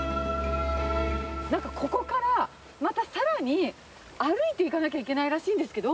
なんかここから、またさらに歩いていかなきゃいけないらしいんですけど。